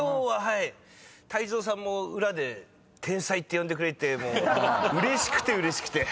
泰造さんも裏で天才って呼んでくれてもううれしくてうれしくて。